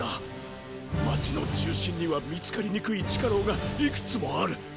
街の中心には見つかりにくい地下牢がいくつもある。